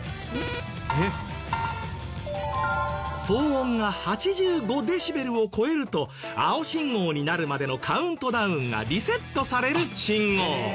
騒音が８５デシベルを超えると青信号になるまでのカウントダウンがリセットされる信号。